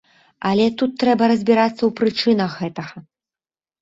Але тут трэба разбірацца ў прычынах гэтага.